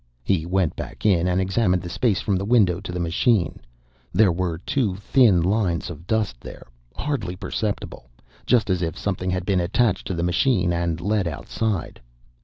He went back in and examined the space from the window to the machine; there were two thin lines of dust there, hardly perceptible, just as if something had been attached to the machine and led outside.